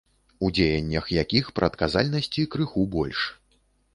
У дзеяннях якіх прадказальнасці крыху больш.